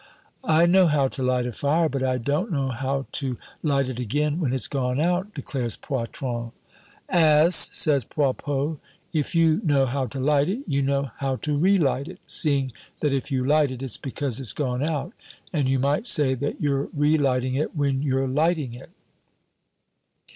"I know how to light a fire, but I don't know how to light it again when it's gone out," declares Poitron. "Ass!" says Poilpot, "if you know how to light it you know how to relight it, seeing that if you light it, it's because it's gone out, and you might say that you're relighting it when you're lighting it."